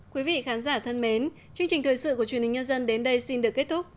quý vị khán giả thân mến chương trình thời sự của truyền hình nhân dân đến đây xin được kết thúc